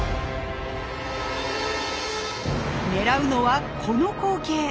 狙うのはこの光景。